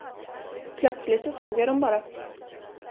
Plötsligt så såg jag dem bara.